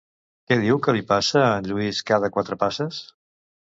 Què diu que li passa a en Lluís cada quatre passes?